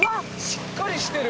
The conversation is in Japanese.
しっかりしてる